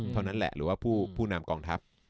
เท่านั้นแหละหรือว่าผู้นำกองทัพ